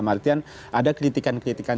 maksudnya ada kritikan kritikan